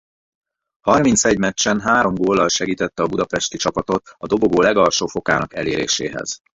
Harmincegy meccsen három góllal segítette a budapesti csapatot a dobogó legalsó fokának eléréséhez.